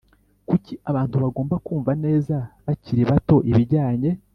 Kuki abantu bagomba kumva neza bakiri bato ibijyanye